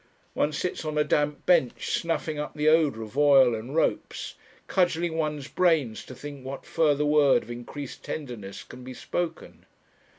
One sits on a damp bench, snuffing up the odour of oil and ropes, cudgelling one's brains to think what further word of increased tenderness can be spoken.